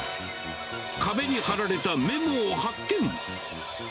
壁に貼られたメモを発見。